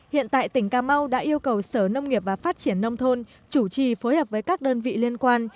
hiện tại tỉnh cà mau đã yêu cầu sở nông nghiệp và phát triển nông thôn chủ trì phối hợp với các đơn vị liên quan